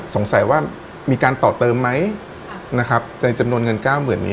สงสัยว่ามีการต่อเติมไหมในจำนวนเงิน๙๐๐๐๐บาท